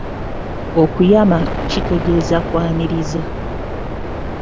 Okuyama kitegeeza kwaniriza.